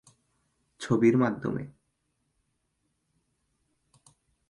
ছবির মাধ্যমে।